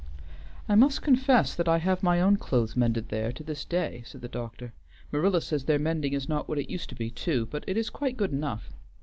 "I must confess that I have my own clothes mended there to this day," said the doctor. "Marilla says their mending is not what it used to be, too, but it is quite good enough.